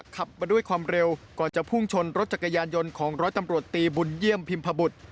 ขับมาด้วยความเร็วก่อนจะพุ่งชนรถจักรยานยนต์ของร้อยตำรวจตีบุญเยี่ยมพิมพบุตร